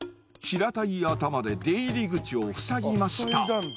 平たい頭で出入り口を塞ぎました。